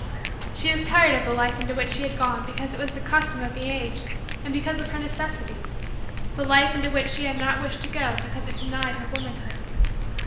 She was tired of the life into which she had gone because it was the custom of the age and because of her necessity the life into which she had not wished to go because it denied her womanhood.